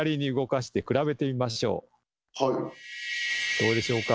どうでしょうか？